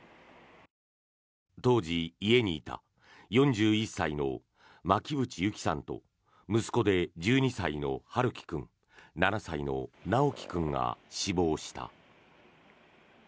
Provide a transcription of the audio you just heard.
当時、家にいた４１歳の巻渕友希さんと息子で１２歳の春樹君７歳の尚煌君が死亡した。